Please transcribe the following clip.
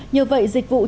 nhờ vậy dịch vụ chia sẻ